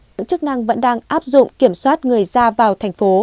cơ quan chức năng vẫn đang áp dụng kiểm soát người ra vào thành phố